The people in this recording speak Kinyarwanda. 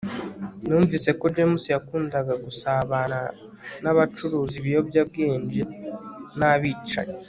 numvise ko james yakundaga gusabana n'abacuruza ibiyobyabwenge n'abicanyi